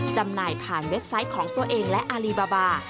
จำหน่ายผ่านเว็บไซต์ของตัวเองและอารีบาบา